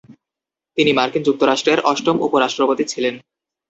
তিনি মার্কিন যুক্তরাষ্ট্রের অষ্টম উপ-রাষ্ট্রপতি ছিলেন।